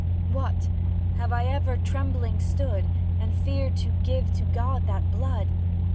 What! have I ever trembling stood, And feared to give to God that blood?